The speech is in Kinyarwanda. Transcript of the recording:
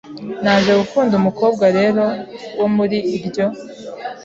Naje gukunda umukobwa rero wo muri iryo